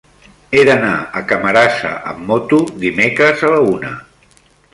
He d'anar a Camarasa amb moto dimecres a la una.